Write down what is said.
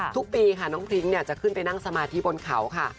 ทุกปีค่ะน้องพริ้งจะขึ้นไปนั่งสมาธิบนเขาค่ะ